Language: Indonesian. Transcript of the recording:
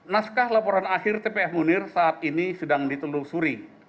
naskah laporan akhir tpf munir saat ini sedang ditelusuri